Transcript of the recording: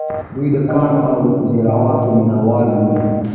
دوی د ګاڼو او زیوراتو مینه وال وو